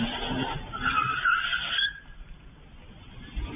สวัสดีครับทุกคน